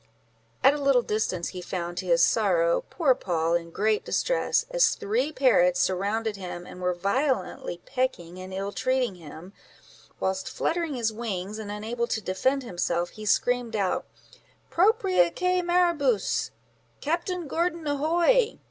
At a little distance he found, to his sorrow, poor Poll in great distress, as three parrots surrounded him and were violently pecking and ill treating him, whilst fluttering his wings, and unable to defend himself, he screamed out—"Propria quæ maribus," "Captain Gordon, ahoy!"